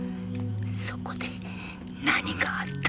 そこで何があったかを。